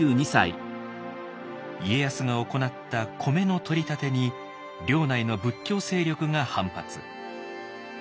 家康が行った米の取り立てに領内の仏教勢力が反発。